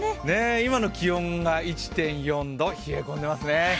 今の気温が１．４度、冷え込んでいますね。